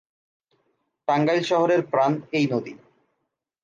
টাঙ্গাইল শহরের প্রান এই নদী।